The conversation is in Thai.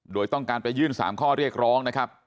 โดยต้องการไปยื่น๓ข้อเรียกร้องนะครับ